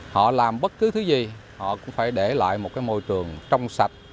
họ làm bất cứ thứ gì họ cũng phải để lại một môi trường trong sạch